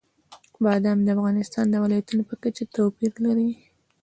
بادام د افغانستان د ولایاتو په کچه توپیر لري.